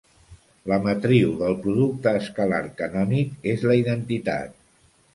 La matriu del producte escalar canònic és la identitat.